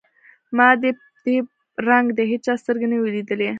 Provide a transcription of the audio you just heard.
ما په دې رنگ د هېچا سترګې نه وې ليدلې.